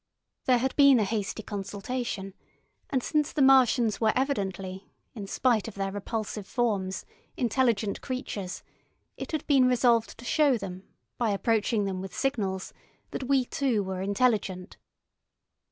There had been a hasty consultation, and since the Martians were evidently, in spite of their repulsive forms, intelligent creatures, it had been resolved to show them, by approaching them with signals, that we too were intelligent.